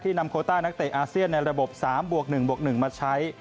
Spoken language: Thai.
นำโคต้านักเตะอาเซียนในระบบ๓บวก๑บวก๑มาใช้